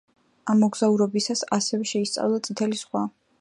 ამ მოგზაურობისას ასევე შეისწავლა წითელი ზღვა.